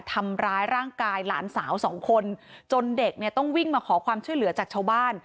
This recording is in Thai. ทำร้ายร่างกายหลานสาวสองคนจนเด็กเนี่ยต้องวิ่งมาขอความช่วยเหลือจากชาวบ้าน